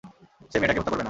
সে মেয়েটাকে হত্যা করবে না।